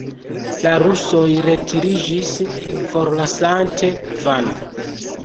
La rusoj retiriĝis, forlasante Van.